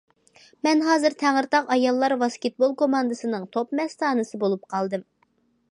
مەن ھازىر تەڭرىتاغ ئاياللار ۋاسكېتبول كوماندىسىنىڭ توپ مەستانىسى بولۇپ قالدىم!